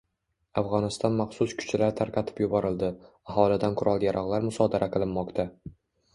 Afg‘oniston maxsus kuchlari tarqatib yuborildi, aholidan qurol-yarog‘lar musodara qilinmoqda